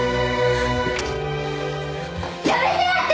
やめて！